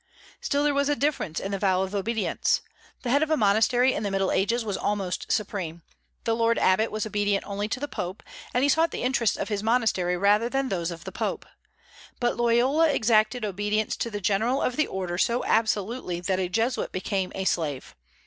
Still there was a difference in the vow of obedience. The head of a monastery in the Middle Ages was almost supreme. The Lord Abbot was obedient only to the Pope, and he sought the interests of his monastery rather than those of the Pope. But Loyola exacted obedience to the General of the Order so absolutely that a Jesuit became a slave.